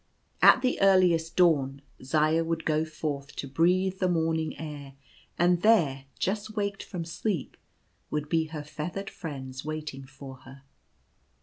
At the earliest dawn Zaya would go forth to breathe the morning air; and there, just waked from sleep, would be her feathered friends waiting for her.